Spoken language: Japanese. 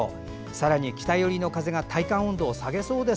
さらに、北寄りの風が体感温度を下げそうです。